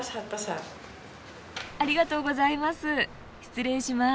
ありがとうございます。